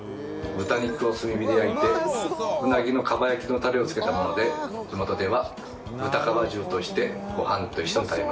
豚肉を炭火で焼いてうなぎの蒲焼のタレをつけたもので地元では豚かば重としてご飯と一緒に食べます。